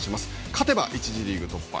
勝てば１次リーグ突破。